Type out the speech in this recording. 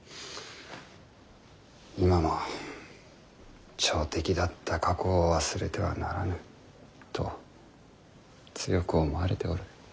今も朝敵だった過去を忘れてはならぬと強く思われておる。